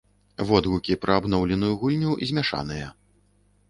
Водгукі пра абноўленую гульню змяшаныя.